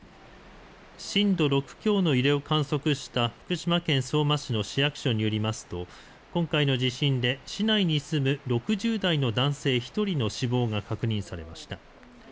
震度６強の揺れを観測した福島県相馬市の市役所によりますと今回の地震で市内に住む６０代の男性１人の死亡が確認されました。